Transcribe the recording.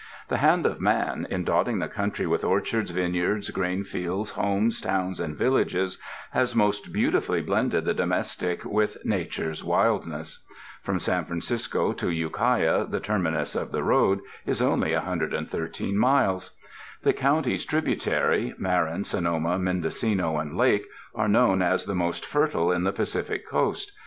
The hand of man, in dotting the country with orchards, vineyards, grain fields, homes, towns and villages, has most beautifully blended the domestic with natureŌĆÖs wildness. From San Francisco to Ukiah, the terminus of the road, is only 113 miles. The Counties tributary, Marin, Sonoma, Mendocino and Lake, are known as the most fertile on the Pacific Coast.